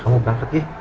kamu berangkat gi